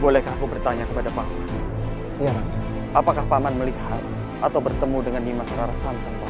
lembah sancang tujuh pak mas